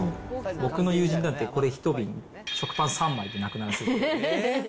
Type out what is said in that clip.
僕の友人なんてこれ１瓶、食パン３枚でなくなるそうです。